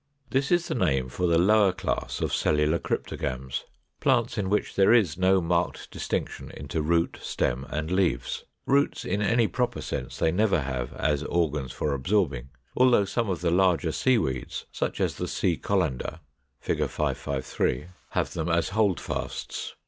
This is the name for the lower class of Cellular Cryptogams, plants in which there is no marked distinction into root, stem, and leaves. Roots in any proper sense they never have, as organs for absorbing, although some of the larger Seaweeds (such as the Sea Colander, Fig. 553) have them as holdfasts.